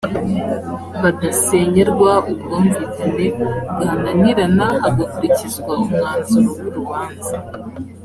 badasenyerwa ubwumvikane bwananirana hagakurikizwa umwanzuro w urubanza